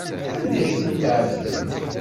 Anda ay tent-tɛebdem?